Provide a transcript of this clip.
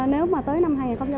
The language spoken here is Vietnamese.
nếu mà tới năm hai nghìn hai mươi